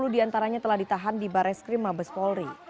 sepuluh diantaranya telah ditahan di bares krim mabes polri